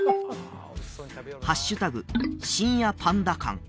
深夜パンダ館